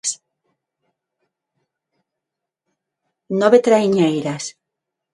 Nove traiñeiras.